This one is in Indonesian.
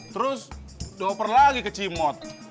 terus dioper lagi ke cimot